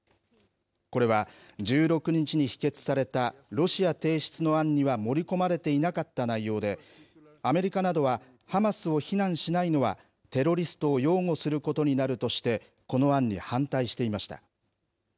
これは１６日に否決されたロシア提出の案には盛り込まれていなかった内容でアメリカなどはハマスを非難しないのはテロリストを擁護することになるとしてこの案に反対していました。